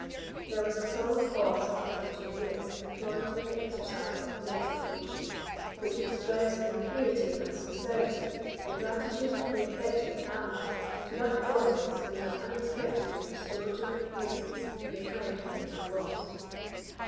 There was a solemn pause of one or two minutes employed in the exercise of mental devotion, which expressed, in purity and sincerity, the gratitude of the affectionate family to that Providence who had unexpectedly restored to their embraces the friend whom they had lost.